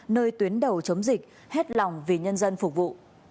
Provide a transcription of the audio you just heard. nơi tuyến đầu chống dịch hết lòng vì nhân dân phục vụ